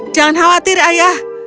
jangan khawatir ayah